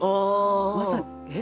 まさにえっ？